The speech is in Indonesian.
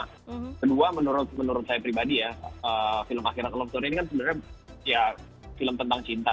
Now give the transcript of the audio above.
kedua menurut saya pribadi ya film akhirat kolom tour ini kan sebenarnya ya film tentang cinta